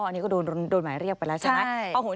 อันนี้ก็โดนหมายเรียกไปแล้วใช่ไหม